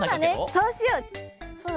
そうしよう！